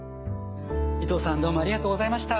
伊藤さんどうもありがとうございました。